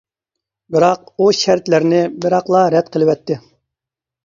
بىراق، ئۇ شەرتلەرنى بىراقلا رەت قىلىۋەتتى.